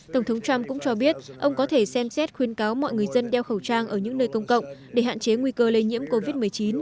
tổng thống trump cũng cho biết ông có thể xem xét khuyên cáo mọi người dân đeo khẩu trang ở những nơi công cộng để hạn chế nguy cơ lây nhiễm covid một mươi chín